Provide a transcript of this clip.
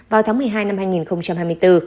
vào tháng một mươi hai năm hai nghìn hai mươi bốn